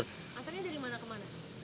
ngantrinya dari mana ke mana